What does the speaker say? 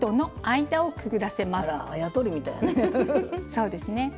そうですね。